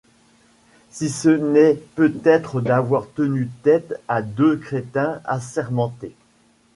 Si ce n'est peut-être d'avoir tenu tête à deux crétins assermentés.